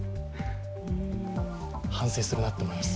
反省するなって思います。